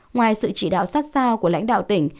ngoài sự chỉ đạo sát sao của lãnh đạo tỉnh